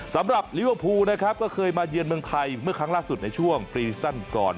สำหรับลิเวอร์พูลนะครับก็เคยมาเยือนเมืองไทยเมื่อครั้งล่าสุดในช่วงฟรีสั้นก่อน